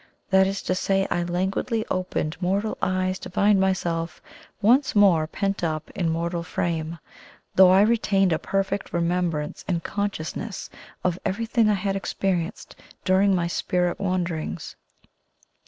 That is to say, I languidly opened mortal eyes to find myself once more pent up in mortal frame, though I retained a perfect remembrance and consciousness of everything I had experienced during my spirit wanderings.